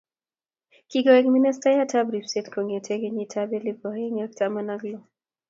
Kikoek ministayat ap ripset kongete kenyit ab elpu aeng ak taman ak loo.